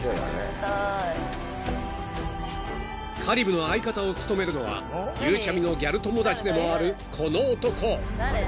［香里武の相方を務めるのはゆうちゃみのギャル友達でもあるこの男］